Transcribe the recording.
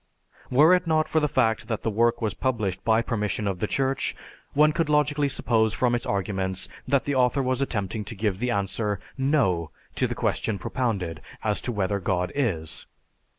Were it not for the fact that the work was published by permission of the Church, one could logically suppose from its arguments that the author was attempting to give the answer, "No," to the question propounded, as to whether God is.